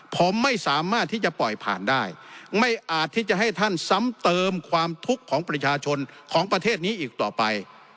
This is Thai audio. ผมไม่สามารถที่จะปล่อยผ่านได้ไม่อาจที่จะให้ท่านซ้ำเติมความทุกข์ของประชาชนของประเทศนี้อีกต่อไป